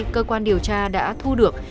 cơ quan điều tra đã thu được